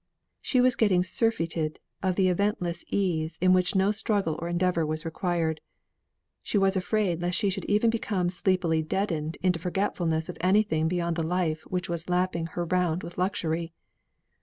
She was getting surfeited of the eventless ease in which no struggle or endeavour was required. She was afraid lest she should even become sleepily deadened into forgetfulness of anything beyond the life which was lapping her round with luxury.